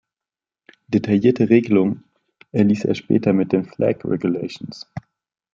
Detailliertere Regelungen erließ er später mit den "Flag Regulations".